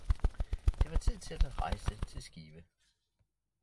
Det var tid til at rejse til Skive